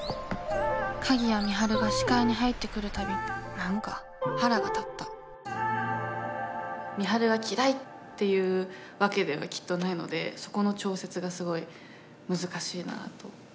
鍵谷美晴が視界に入ってくるたび何か腹が立った美晴が嫌いっていうわけではきっとないのでそこの調節がすごい難しいなと。